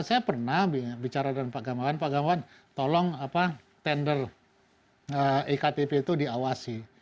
saya pernah bicara dengan pak gamawan pak gamawan tolong tender iktp itu diawasi